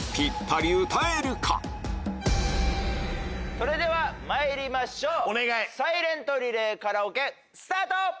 それではまいりましょうサイレントリレーカラオケスタート！